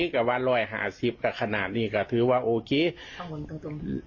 รอยหาซิบก็ขนาดนี้ก็รสตรวงตรงนี้